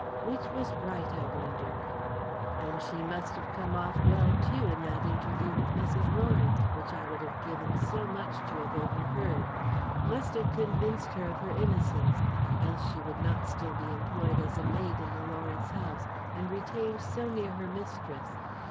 Which was right, I wondered. And she must have come off well, too, in that interview with Mrs. Lawrence, which I would have given so much to have overheard must have convinced her of her innocence, else she would not still be employed as a maid in the Lawrence house, and retained so near her mistress.